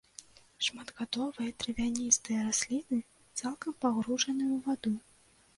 Шматгадовыя травяністыя расліны, цалкам пагружаныя ў ваду.